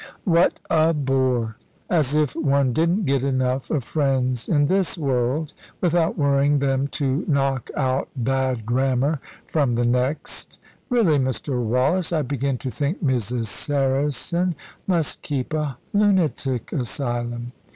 "What a bore! As if one didn't get enough of friends in this world, without worrying them to knock out bad grammar from the next. Really, Mr. Wallace, I begin to think Mrs. Saracen must keep a lunatic asylum."